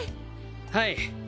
はい！